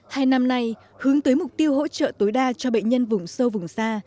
hai năm nay hướng tới mục tiêu hỗ trợ tối đa cho bệnh nhân vùng sâu vùng xa